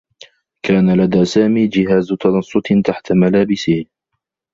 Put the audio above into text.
كان لدى سامي جهاز تنصّت تحت ملابسه.